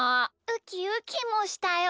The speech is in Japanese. ウキウキもしたよ。